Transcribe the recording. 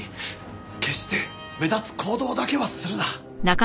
決して目立つ行動だけはするな。